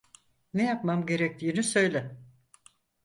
Ne yapmam gerektiğini söyle.